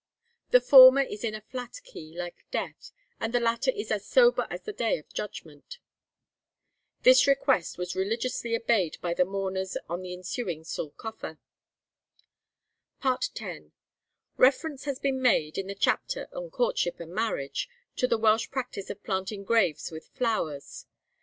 'The former is in a flat key, like death, and the latter is as sober as the day of judgment.' This request was religiously obeyed by the mourners on the ensuing Sul Coffa. FOOTNOTE: Quoted in the Proceedings of the Kilkenny Arch. Soc., 1858. X. Reference has been made, in the chapter on courtship and marriage, to the Welsh practice of planting graves with flowers.